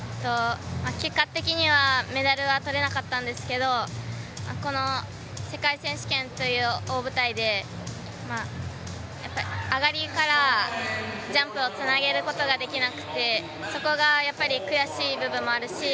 結果的にはメダルはとれなかったんですがこの世界選手権という大舞台で上がりからジャンプをつなげることができなくてそこが、やっぱり悔しい部分もあるし。